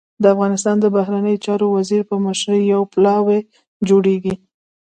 د افغانستان د بهرنیو چارو وزیر په مشرۍ يو پلاوی جوړېږي.